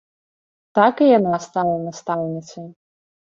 Так і яна стала настаўніцай.